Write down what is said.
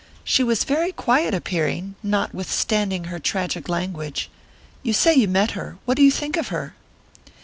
She was very quiet appearing, notwithstanding her tragic language. You say you met her; what do you think of her?"